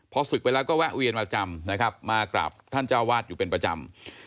พอศึกไปแล้วก็แวะเวียนมาจำนะครับมากราบท่านเจ้าวาดอยู่เป็นประจำ